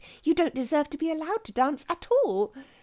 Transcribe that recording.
You don't deserve to be allowed to dance at all."